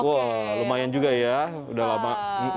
wah lumayan juga ya udah lama